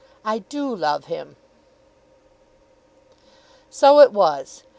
"I DO LOVE HIM." So it was.